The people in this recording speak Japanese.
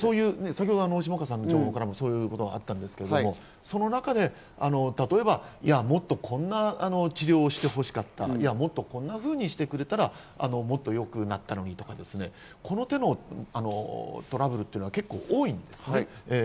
先ほどの下川さんの情報から、そういうこともあったんですけど、その中でもっとこんな治療してほしかった、もっとこんなふうにしてくれたら、もっと良くなったのにとか、この手のトラブルというのは結構、多いんですね。